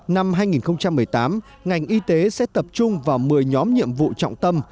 năm hai nghìn một mươi tám ngành y tế sẽ tập trung vào một mươi nhóm nhiệm vụ trọng tâm